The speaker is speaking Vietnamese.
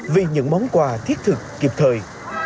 vì những món quà thiết thực kịp thời